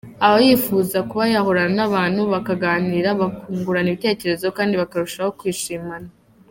Aba yifuza kuba yahorana n’abantu bakaganira bakungurana ibitekerezo kandi bakarushaho kwishimana.